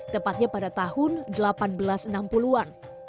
tepatnya pada tahun seribu delapan ratus enam puluh an